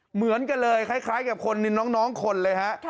เหมือนกันเลยคล้ายกับคนน้องคนเลยฮะ